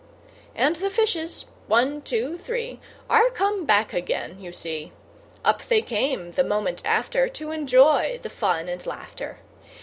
And the fishes, one, two, three, Are come back again, you see; Up they came the moment after, To enjoy the fun and laughter.